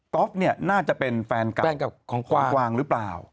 ก๊อฟเนี่ยน่าจะเป็นแฟนกับของกว้างหรือเปล่า